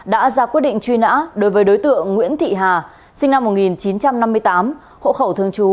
đã ra quyết định truy nã đối với đối tượng nguyễn thị hà sinh năm một nghìn chín trăm năm mươi tám hộ khẩu thương chú